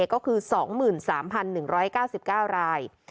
ก็คือ๒๓๑๙๙ราย